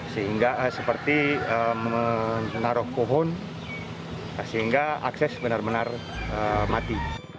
sehingga seperti menaruh pohon sehingga akses benar benar mati